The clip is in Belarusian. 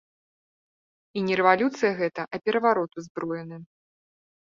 І не рэвалюцыя гэта, а пераварот узброены.